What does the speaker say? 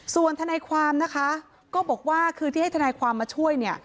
ส่วนทนายความนะคะก็บอกว่าคือที่ให้ทนายความมาช่วยเนี่ย